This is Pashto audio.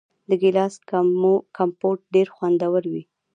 د ګیلاس کمپوټ ډیر خوندور وي.